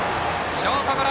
ショートゴロ。